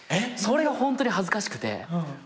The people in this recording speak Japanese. それがホントに恥ずかしくて。